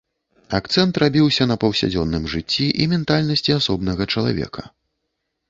Акцэнт рабіўся на паўсядзённым жыцці і ментальнасці асобнага чалавека.